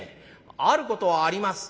あることはあります」。